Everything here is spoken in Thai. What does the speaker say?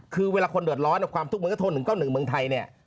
คือเวลาคนเดือดร้อนเนี่ยความทุกคนก็โทรหนึ่งเก้าหนึ่งเมืองไทยเนี่ย